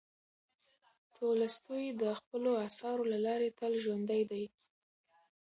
تولستوی د خپلو اثارو له لارې تل ژوندی دی.